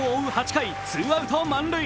８回、ツーアウト満塁。